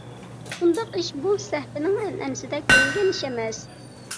ئۇنداق ئىش بۇ سەھىپىنىڭ ئەنئەنىسىدە كۆرۈلگەن ئىش ئەمەس.